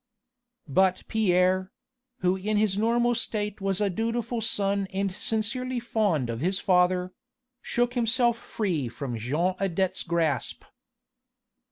But Pierre who in his normal state was a dutiful son and sincerely fond of his father shook himself free from Jean Adet's grasp.